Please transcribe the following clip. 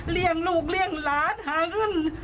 เรียงลูกเรียงหลานหาขึ้น